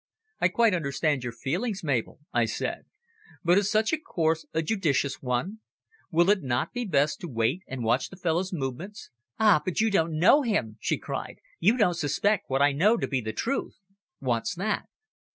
"I quite understand your feelings, Mabel," I said. "But is such a course a judicious one? Will it not be best to wait and watch the fellow's movements?" "Ah! but you don't know him!" she cried. "You don't suspect what I know to be the truth!" "What's that?"